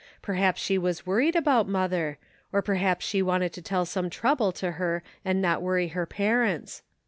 Perhaps she was worried about mother, or perhaps she wanted to tell some trouble to her and not worry their parents.